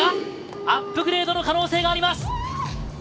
アップグレードの可能性があります。